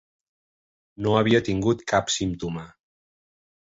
No havia tingut cap símptoma.